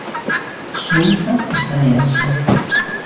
Suíza estréase.